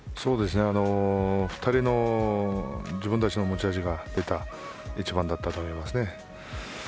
２人の、自分の持ち味が出た一番だったといえます。